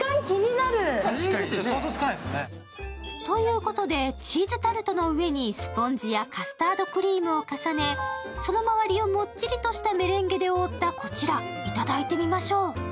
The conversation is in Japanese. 想像つかないですね。ということで、チーズタルトの上にスポンジやカスタードクリームを重ねその周りをもっちりとしたメレンゲで覆ったこちら、いただいてみましょう。